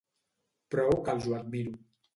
Prou que els ho admiro.